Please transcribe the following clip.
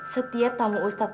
setiap tamu ustadz